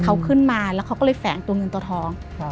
เขาขึ้นมาแล้วเขาก็เลยแฝงตัวเงินตัวทอง